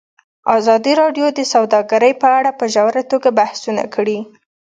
ازادي راډیو د سوداګري په اړه په ژوره توګه بحثونه کړي.